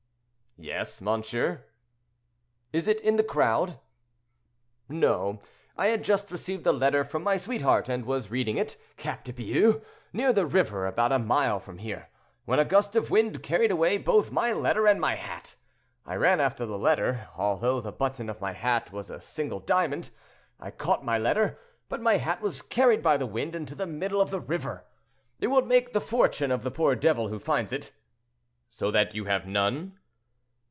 "Yes, monsieur." "Is it in the crowd?" "No. I had just received a letter from my sweetheart, and was reading it, cap de Bious! near the river, about a mile from here, when a gust of wind carried away both my letter and my hat. I ran after the letter, although the button of my hat was a single diamond; I caught my letter, but my hat was carried by the wind into the middle of the river. It will make the fortune of the poor devil who finds it."—"So that you have none?"